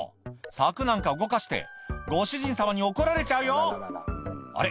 柵なんか動かしてご主人様に怒られちゃうよあれ？